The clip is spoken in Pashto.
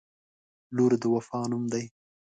• لور د وفا نوم دی.